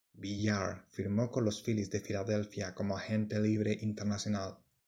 Villar firmó con los Filis de Filadelfia como agente libre internacional.